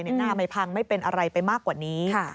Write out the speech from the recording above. หน้าไม่พังไม่เป็นอะไรไปมากกว่านี้